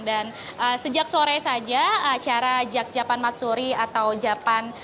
dan sejak sore saja acara jak japan matsuri atau jak japan